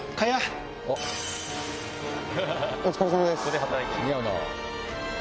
お疲れさまです。